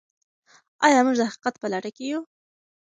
آیا موږ د حقیقت په لټه کې یو؟